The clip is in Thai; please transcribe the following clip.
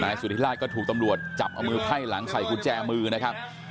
สุธิราชก็ถูกตำรวจจับเอามือไพ่หลังใส่กุญแจมือนะครับ